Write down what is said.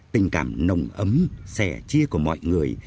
tình cảm nồng ấm xẻ chia của mọi người